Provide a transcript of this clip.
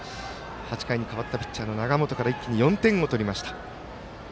８回に代わったピッチャーの永本から一気に４点を取りました。